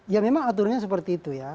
ya memang aturnya seperti itu ya